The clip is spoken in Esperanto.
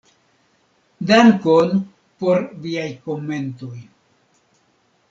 Dankon por viaj komentoj.